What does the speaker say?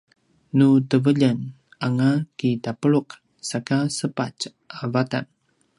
nu teveljen anga ki tapuluq saka sepatj a vatan